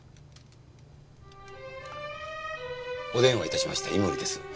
お電話致しました井森です。